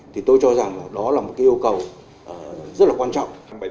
thì tôi cho rằng đó là một cái yêu cầu rất là quan trọng